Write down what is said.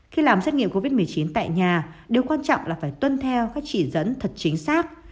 khi làm xét nghiệm covid một mươi chín tại nhà điều quan trọng là phải tuân theo các chỉ dẫn thật chính xác